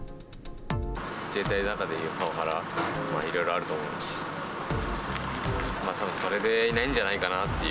自衛隊の中で、パワハラ、いろいろあると思うし、たぶんそれでいないんじゃないかなっていう。